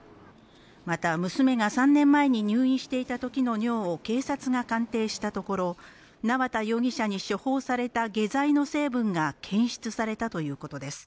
また娘が３年前に入院していたときの尿を警察が鑑定したところ縄田容疑者に処方された下剤の成分が検出されたということです。